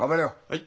はい。